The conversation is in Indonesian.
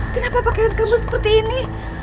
kenapa pakaian kamu seperti ini